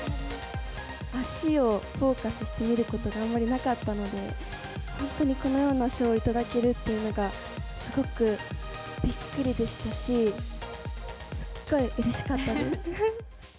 脚をフォーカスして見ることがあまりなかったので、本当にこのような賞を頂けるっていうのが、すごくびっくりでしたし、すっごいうれしかったです。